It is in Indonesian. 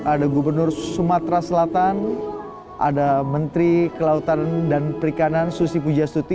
ada gubernur sumatera selatan ada menteri kelautan dan perikanan susi pujastuti